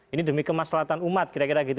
ini demi kemaslahatan umat kira kira gitu